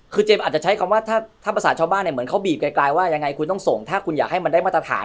คือเจมส์อาจจะใช้คำว่าถ้าภาษาชาวบ้านเนี่ยเหมือนเขาบีบไกลว่ายังไงคุณต้องส่งถ้าคุณอยากให้มันได้มาตรฐาน